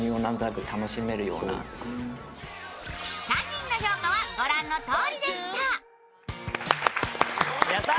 ３人の評価はご覧のとおりでしたやった！